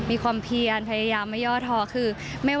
ต้องมีความเพียรมีความเพียรพยายามไม่ยอดทอคือ